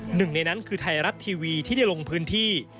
หนึ่งในนั้นคือไทยรัฐทีวีที่ได้ลงพื้นที่